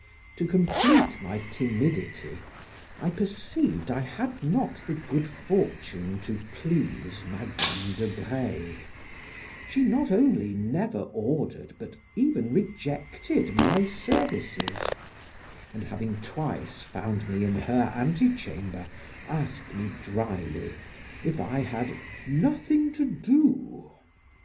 To complete my timidity, I perceived I had not the good fortune to please Madam de Breil; she not only never ordered, but even rejected, my services; and having twice found me in her antechamber, asked me, dryly, "If I had nothing to do?"